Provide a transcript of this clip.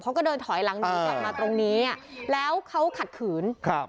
เขาก็เดินถอยหลังหนีกลับมาตรงนี้อ่ะแล้วเขาขัดขืนครับ